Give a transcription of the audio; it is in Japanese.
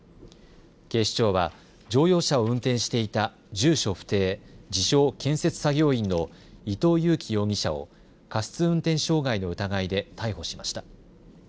警視庁は乗用車を運転していた住所不定、自称・建設作業員の伊東祐貴容疑者を過失運転傷害の疑いで逮捕しました。